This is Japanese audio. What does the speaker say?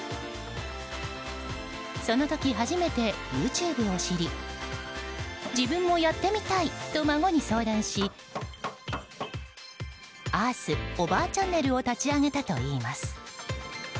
その時、初めてＹｏｕＴｕｂｅを知り自分もやってみたいと孫に相談し「Ｅａｒｔｈおばあちゃんねる」を立ち上げたといいます。